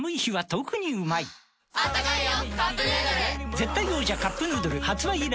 絶対王者「カップヌードル」発売以来